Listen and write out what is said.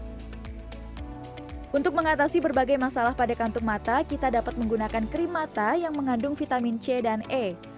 untuk mengatasi berbagai masalah pada kantung mata kita dapat menggunakan krim mata yang mengandung vitamin c dan e